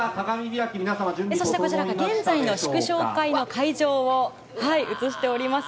そしてこちらが現在の祝勝会の会場を映しております。